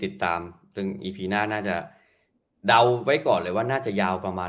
ติดตามซึ่งอีพีหน้าน่าจะเดาไว้ก่อนเลยว่าน่าจะยาวประมาณ